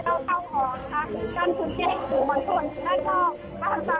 นอกจากกระตูทั้งระลุ้นที่ฮิตนะคะ